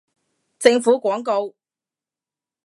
政府廣告